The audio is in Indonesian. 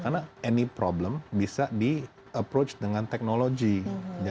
karena any problem bisa di approach dengan technology